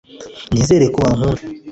nizere ko bankunda